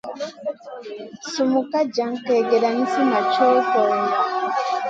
Sumun ka jan kègèda nizi ma co koleyo.